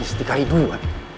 ini setiap dua